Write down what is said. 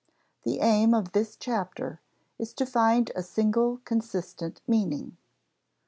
The aim of this chapter is to find a single consistent meaning.